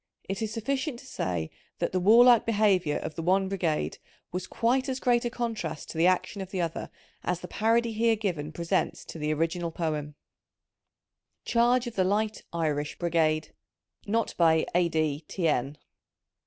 It is sufficient to say that the warUke behaviour of the one brigade was quite as great a contrast to the action of the other, as the parody here given presents to the original poem :— Charge of the Light (Irish) Brigade. {Net by A—d T n).